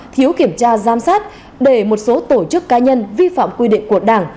thiếu kiểm tra giám sát để một số tổ chức cá nhân vi phạm quy định của đảng